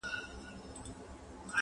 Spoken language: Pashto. د عقل سوداګرو پکښي هر څه دي بایللي٫